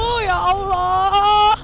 oh ya allah